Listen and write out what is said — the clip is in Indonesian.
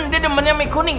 dia nemennya mie kuning